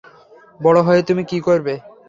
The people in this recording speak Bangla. বড় হয়ে তুমি কী হবে?